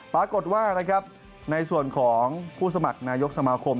ปรากฏว่านะครับในส่วนของผู้สมัครนายกสมาคม